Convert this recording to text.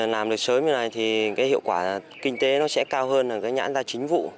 làm được sớm như này thì hiệu quả kinh tế sẽ cao hơn nhãn ra chính vụ